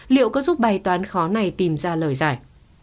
liệu có giúp bài toán khó này tìm ra lời giải